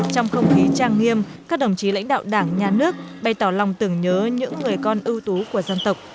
trong không khí trang nghiêm các đồng chí lãnh đạo đảng nhà nước bày tỏ lòng tưởng nhớ những người con ưu tú của dân tộc